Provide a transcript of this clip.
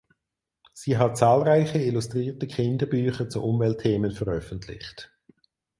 Sie hat zahlreiche illustrierte Kinderbücher zu Umweltthemen veröffentlicht.